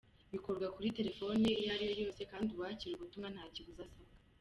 Bikorwa kuri telefoni iyo ariyo yose, kandi uwakira ubutumwa nta kiguzi asabwa.